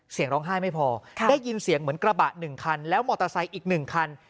เสียงร้องไห้ไม่พอได้ยินเสียงเหมือนกระบะ๑คันแล้วมอเตอร์ไซค์อีก๑คัน